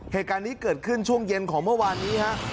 เหตุการณ์นี้เกิดขึ้นช่วงเย็นของเมื่อวานนี้ฮะ